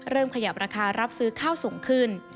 ขยับราคารับซื้อข้าวสูงขึ้น